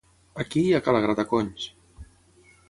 aquí i a ca la grataconys